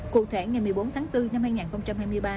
cụ thể ngày một mươi bốn tháng bốn năm hai nghìn hai mươi ba